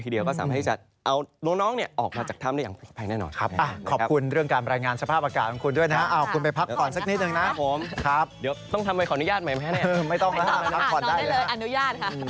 เดี๋ยวต้องทำใหม่ขออนุญาตไหมแม่แน่นไม่ต้องนะครับขอได้เลยครับไม่ต้องนอนได้เลยอนุญาตค่ะ